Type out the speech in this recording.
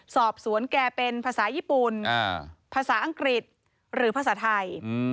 สอบสวนแกเป็นภาษาญี่ปุ่นภาษาอังกฤษหรือภาษาไทย